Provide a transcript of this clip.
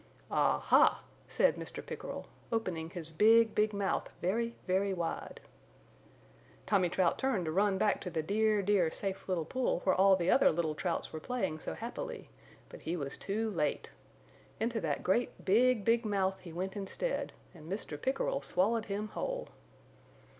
"Ah ha!" said Mr. Pickerel, opening his big, big mouth very, very wide. Tommy Trout turned to run back to the dear, dear safe little pool where all the other little Trouts were playing so happily, but he was too late. Into that great big, big mouth he went instead, and Mr. Pickerel swallowed him whole.